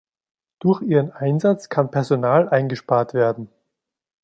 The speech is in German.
Durch ihren Einsatz kann Personal eingespart werden.